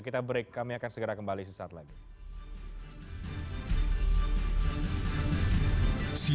kita break kami akan segera kembali sesaat lagi